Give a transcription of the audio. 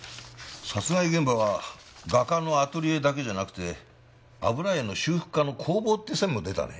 殺害現場は画家のアトリエだけじゃなくて油絵の修復家の工房って線も出たね。